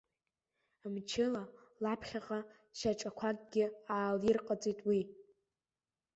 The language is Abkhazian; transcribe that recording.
Мчыла лаԥхьаҟа шьаҿақәакгьы аалирҟаҵеит уи.